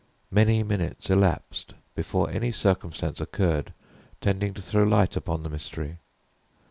Many minutes elapsed before any circumstance occurred tending to throw light upon the mystery.